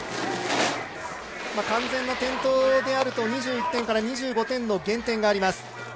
完全な転倒であると、２１点から２２点の減点があります。